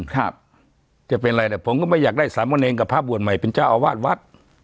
ครับจะเป็นอะไรเนี่ยผมก็ไม่อยากได้สามเณรกับพระบวชใหม่เป็นเจ้าอาวาสวัด